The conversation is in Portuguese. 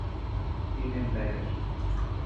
Pimenteiras